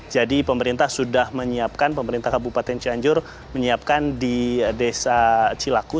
jadi pemerintah sudah menyiapkan pemerintah kabupaten cianjur menyiapkan di desa cilakot